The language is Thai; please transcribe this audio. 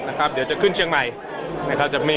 เดี๋ยวจะช่วยขึ้นเชียงใหม่ด้วย